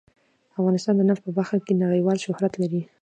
افغانستان د نفت په برخه کې نړیوال شهرت لري.